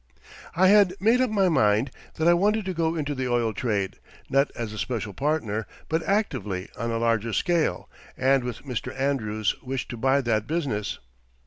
I had made up my mind that I wanted to go into the oil trade, not as a special partner, but actively on a larger scale, and with Mr. Andrews wished to buy that business.